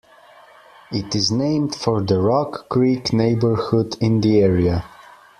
It is named for the Rock Creek neighborhood in the area.